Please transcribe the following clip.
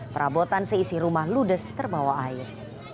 perabotan seisi rumah ludes terbawa air